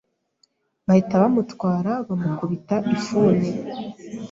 bahita bamutwara bamukubita ifuni